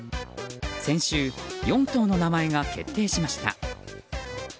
先週、４頭の名前が決定しました。